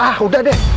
ah udah deh